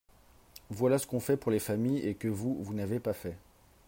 Voilà ce qu’on fait pour les familles et que vous, vous n’avez pas fait.